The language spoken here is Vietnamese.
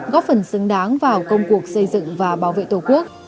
góp phần xứng đáng vào công cuộc xây dựng và bảo vệ tổ quốc